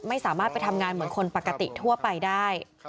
ไม่สามารถไปทำงานเหมือนคนปกติทั่วไปได้